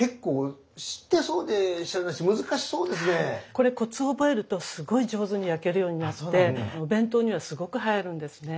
これコツを覚えるとすごい上手に焼けるようになってお弁当にはすごく映えるんですね。